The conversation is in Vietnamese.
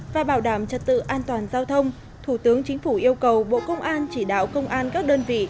và bảo đảm trật tự an toàn giao thông thủ tướng chính phủ yêu cầu bộ công an chỉ đạo công an các đơn vị